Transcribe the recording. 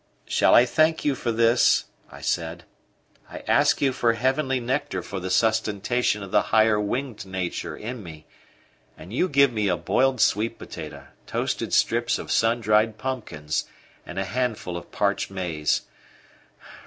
"Shall I thank you for this?" I said. "I ask you for heavenly nectar for the sustentation of the higher winged nature in me, and you give me a boiled sweet potato, toasted strips of sun dried pumpkins, and a handful of parched maize!